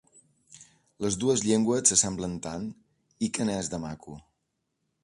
Les dues llengües s'assemblen tant, i que n'és de maco.